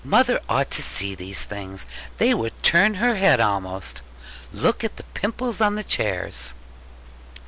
Mother ought to see these things: they would turn her head almost: look at the pimples on the chairs!'